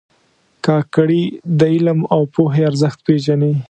کاکړي د علم او پوهې ارزښت پېژني.